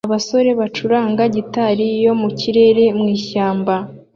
Abasore bacuranga gitari yo mu kirere mu ishyamba